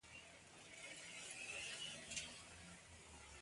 مچان ډېرې ځلې انسان ژوي